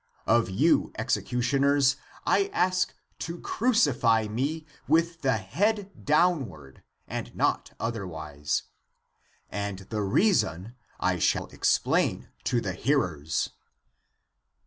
^^ Of you, executioners, I ask to '''^ crucify me with the head downward, and not otherwise. ^"^^^ And the reason I shall explain to the hearers."